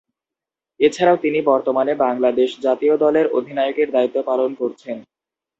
এছাড়াও তিনি বর্তমানে বাংলাদেশ জাতীয় দলের অধিনায়কের দায়িত্ব পালন করছেন।